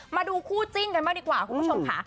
มาดูคู่จิ้นกันบ้างดีกว่าคุณผู้ชมค่ะ